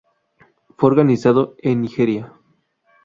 Fue organizado en Nigeria.